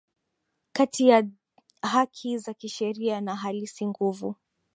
kati ya haki za kisheria na halisi Nguvu